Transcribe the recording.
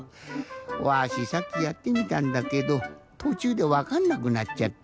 わしさっきやってみたんだけどとちゅうでわかんなくなっちゃった。